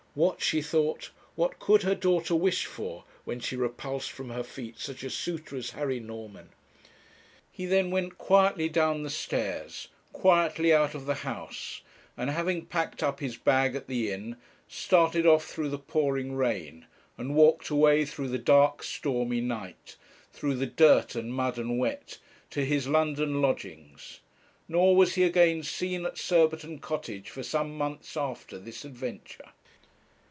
'What,' she thought, 'what could her daughter wish for, when she repulsed from her feet such a suitor as Harry Norman?' He then went quietly down the stairs, quietly out of the house, and having packed up his bag at the inn, started off through the pouring rain, and walked away through the dark stormy night, through the dirt and mud and wet, to his London lodgings; nor was he again seen at Surbiton Cottage for some months after this adventure.